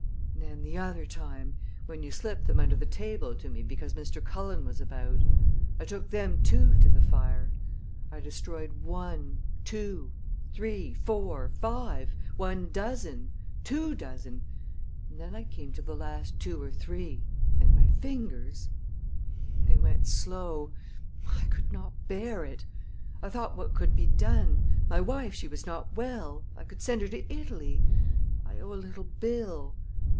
"And then, the other time when you slipped them under the table to me because Mr. Cullen was about! I took them, too, to the fire. I destroyed one, two, three, four, five one dozen two dozen; and then I came to the last two or three, and my fingers they went slow. I could not bear it. I thought what could be done. My wife she was not well. I could send her to Italy. I owe a little bill.